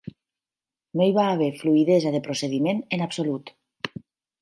No hi va haver fluïdesa de procediment en absolut.